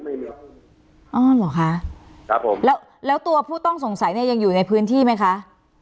ไม่มีครับอ๋อเหรอคะครับผมแล้วแล้วตัวผู้ต้องสงสัยเนี่ยยังอยู่ในพื้นที่ไหมคะ